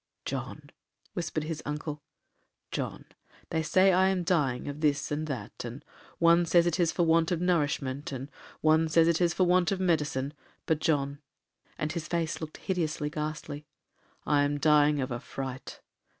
'John,' whispered his uncle;—'John, they say I am dying of this and that; and one says it is for want of nourishment, and one says it is for want of medicine,—but, John,' and his face looked hideously ghastly, 'I am dying of a fright.